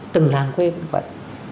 từng làng quê cũng vậy